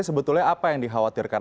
sebetulnya apa yang dikhawatirkan